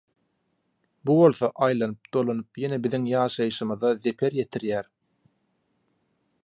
Bu bolsa aýlanyp dolanyp ýene biziň ýaşaýyşymyza zeper ýetirýär.